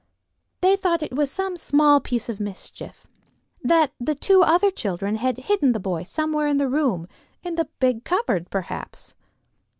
They thought it was some small piece of mischief—that the two other children had hidden the boy somewhere in the room: in the big cupboard perhaps.